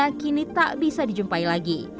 pemerintah dki kini tak bisa dijumpai lagi